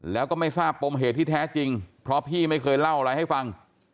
แล้วก็ไม่ทราบปมเหตุที่แท้จริงเพราะพี่ไม่เคยเล่าอะไรให้ฟัง